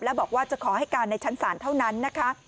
และบอกว่าจะขอให้การในชั้นศาลเท่านั้นนะคะ